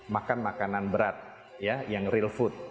makan makanan berat ya yang real food